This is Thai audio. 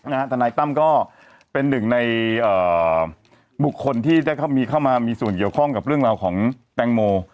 ทนายตั้มก็เป็นหนึ่งในบุคคลที่ได้เข้ามามีส่วนเกี่ยวข้องกับเรื่องราวของแตงโม